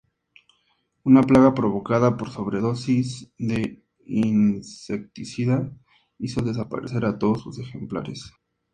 Una plaga provocada por sobredosis de insecticida hizo desaparecer a todos sus ejemplares.